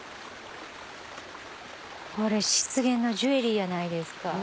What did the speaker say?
これ湿原のジュエリーやないですか。